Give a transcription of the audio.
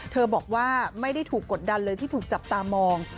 บอกว่าไม่ได้ถูกกดดันเลยที่ถูกจับตามอง